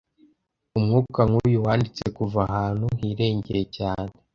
Umwuka nkuyu wanditse kuva ahantu hirengeye cyane,